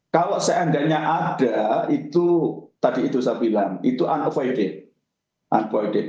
kalau seandainya ada itu tadi itu saya bilang itu unquid